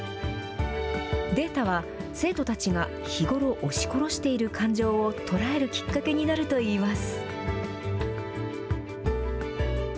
データは、生徒たちが日頃押し殺している感情を捉えるきっかけになるといいます。